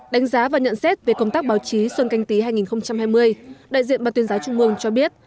đánh giá và nhận xét về công tác báo chí xuân canh tí hai nghìn hai mươi đại diện ban tuyên giáo trung mương cho biết